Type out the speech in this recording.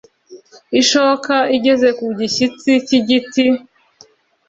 ishoka igeze ku gishyitsi cy igiti